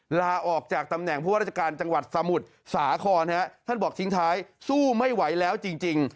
ลาออกจากตำแหน่งผู้ว่าราชการจังหวัดสมุทรสาครท่านบอกทิ้งท้ายสู้ไม่ไหวแล้วจริง